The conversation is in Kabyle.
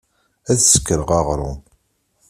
Ad sekreɣ aɣṛum.